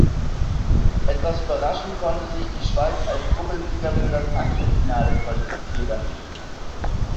Etwas überraschend konnte sich die Schweiz als Gruppensieger für das Achtelfinale qualifizieren.